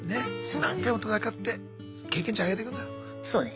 何回も戦って経験値上げてくのよ。